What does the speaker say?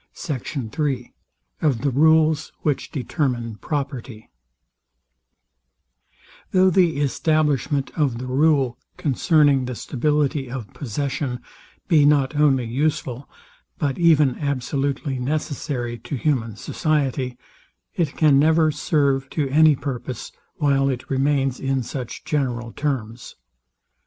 SECT. III OF THE RULES WHICH DETERMINE PROPERTY Though the establishment of the rule, concerning the stability of possession, be not only useful, but even absolutely necessary to human society, it can never serve to any purpose, while it remains in such general terms.